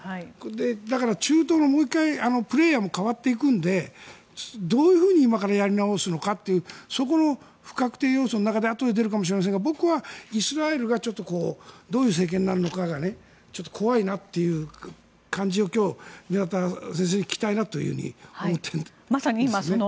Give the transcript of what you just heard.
だから中東ももう１回プレーヤーも変わっていくのでどういうふうに今からやり直すのかというそこの不確定要素の中であとで出るかもしれませんが僕はイスラエルがどういう政権になるかが怖いなという感じを宮田先生に聞きたいと思っているんですよね。